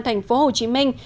thành phố hồ chí minh